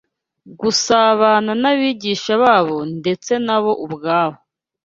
gusabana n’abigisha babo ndetse na bo ubwabo.